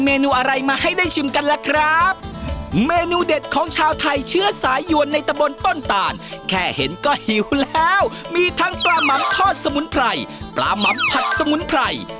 ไม่หิวแล้วมีทั้งปลาหมำทอดสมุนไพรปลาหมำผัดสมุนไพร